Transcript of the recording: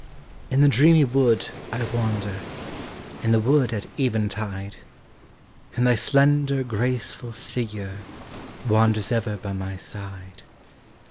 I. In the dreamy wood I wander, In the wood at even tide; And thy slender, graceful figure Wanders ever by my side.